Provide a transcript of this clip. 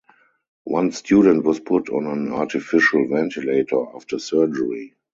One student was put on an artificial ventilator after surgery.